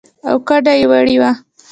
او کډه يې وړې وه.